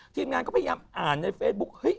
ทีมงานก็พยายามอ่านในเฟซบุ๊กเฮ้ย